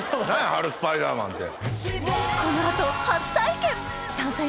春スパイダーマンって。